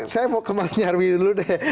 saya mau ke mas nyarwi dulu deh